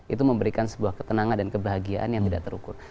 itu memberikan sebuah ketenangan dan kebahagiaan yang tidak terukur